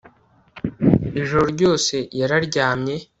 ijoro ryose yararyamye